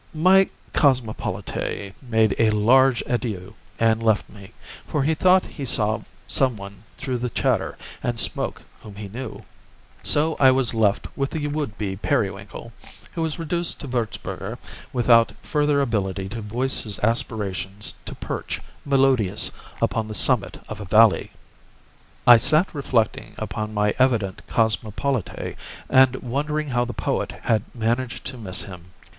My cosmopolite made a large adieu and left me, for he thought he saw some one through the chatter and smoke whom he knew. So I was left with the would be periwinkle, who was reduced to Würzburger without further ability to voice his aspirations to perch, melodious, upon the summit of a valley. I sat reflecting upon my evident cosmopolite and wondering how the poet had managed to miss him.